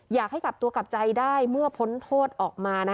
อยากให้กลับตัวกลับใจได้เมื่อพ้นโทษออกมานะ